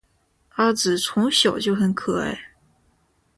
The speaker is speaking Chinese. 阿梓从小就很可爱